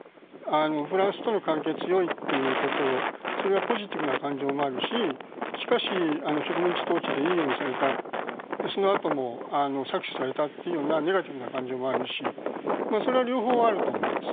フランスとの関係が強いということそれはポジティブな感情もあるししかし、植民地統治でいいようにされたそのあとも搾取されたというようなネガティブな感情もあるしそれは両方あると思います。